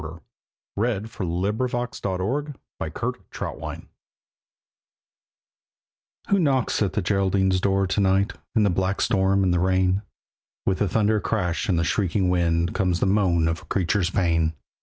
THE BALLAD OF THE LITTLE BLACK HOUND Who knocks at the Geraldine's door to night In the black storm and the rain? With the thunder crash and the shrieking wind Comes the moan of a creature's pain.